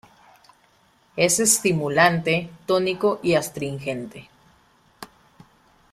Es estimulante, tónico y astringente.